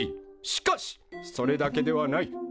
しかしそれだけではない。